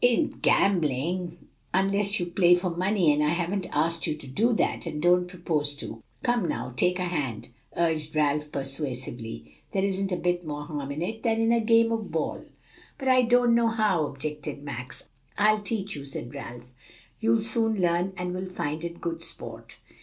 'tisn't gambling, unless you play for money, and I haven't asked you to do that, and don't propose to. Come now, take a hand," urged Ralph persuasively. "There isn't a bit more harm in it than in a game of ball." "But I don't know how," objected Max. "I'll teach you," said Ralph. "You'll soon learn and will find it good sport."